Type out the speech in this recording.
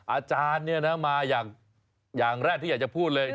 อาจารย์มาอย่างแรกที่อยากจะพูดเลย